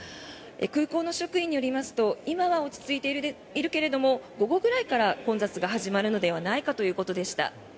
空港の職員によりますと今は落ち着いているけれど午後くらいから混雑が始まるのではないかということでした。